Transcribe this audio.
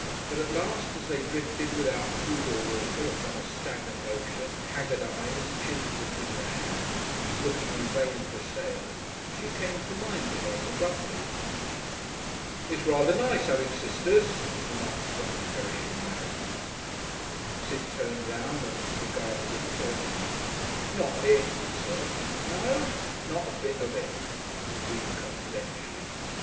But at last, as they drifted without food or water upon a stagnant ocean, haggard eyed, chins between their hands, looking in vain for a sail, she came to mind again abruptly. "It's rather nice 'aving sisters," remarked one perishing mariner. Sid turned round and regarded him thoughtfully. "Not it!" he said. "No?" "Not a bit of it." He grinned confidentially.